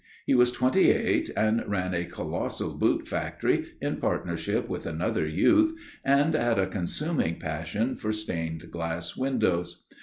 He was twenty eight and ran a colossal boot factory in partnership with another youth and had a consuming passion for stained glass windows.